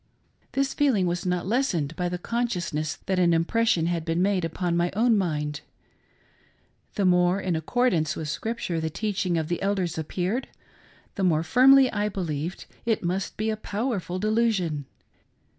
This feeling was not lessened by the consciousness that an impression had been made upon my own mind. The more in accordance with Scripture the teaching of the Elders appeared, the more firmly I believed it must be a powerful delusion.